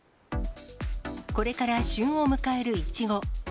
これから旬を迎えるいちご。